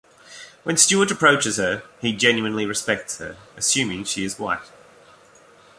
When Stuart approaches her he genuinely respects her, assuming she is white.